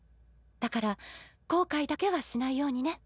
だから後悔だけはしないようにね。